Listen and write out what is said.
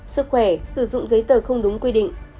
sức khỏe sử dụng giấy tờ không đúng quy định